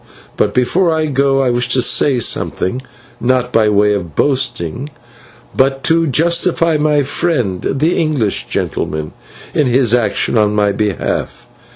But before I go I wish to say something, not by way of boasting, but to justify my friend, the English gentleman, in his action on my behalf.